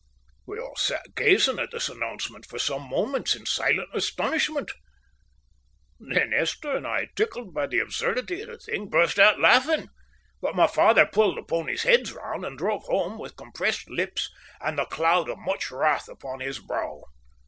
We all sat gazing at this announcement for some moments in silent astonishment. Then Esther and I, tickled by the absurdity of the thing, burst out laughing, but my father pulled the ponies' heads round, and drove home with compressed lips and the cloud of much wrath upon his brow.